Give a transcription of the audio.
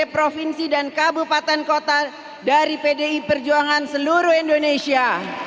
provinsi dan kabupaten kota dari pdi perjuangan seluruh indonesia